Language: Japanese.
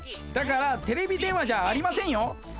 だからテレビ電話じゃありませんよ。